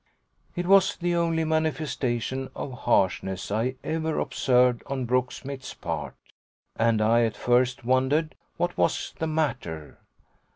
It was the only manifestation of harshness I ever observed on Brooksmith's part, and I at first wondered what was the matter.